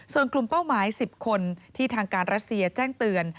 ส่วนกลุ่มเป้าหมาย๑๐คนที่ทางการรัสเซียแจ้งเตือน